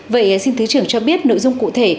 vậy xin thứ trưởng cho biết nội dung cụ thể